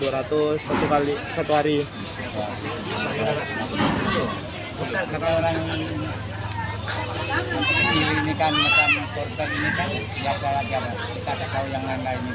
ramadan lumayan lah